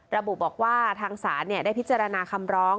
ระบุบอกว่าทางศาลได้พิจารณาคำร้อง